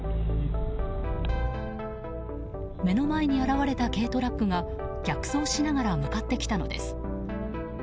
目の前に現れた軽トラックが逆走しながら向かってきたのです。